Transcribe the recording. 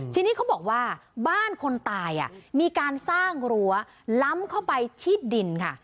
ทีนี้เขาบอกว่าบ้านคนตายมีการสร้างรั้วล้ำเข้าไปที่ดินค่ะ